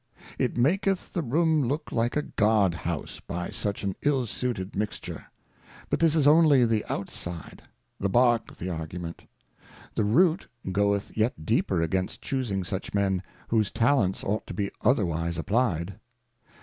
It maketh the Room look like a Guard house by such an ill suited mixture. But this is only the out side, the bark of the Argument; the root goeth yet deeper against Chusing such Men, whose Talents ought to be otherwise applied.